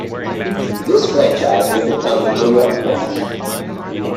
This franchise would become the New York Mets.